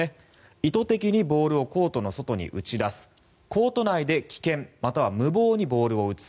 意図的にボールをコートの外に打ち出すコート内で危険または無謀にボールを打つ。